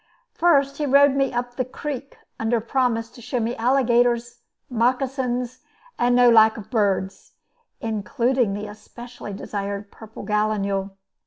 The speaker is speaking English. First he rowed me up the "creek," under promise to show me alligators, moccasins, and no lack of birds, including the especially desired purple gallinule.